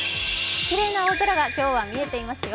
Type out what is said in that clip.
きれいな青空が今日は見えていますよ。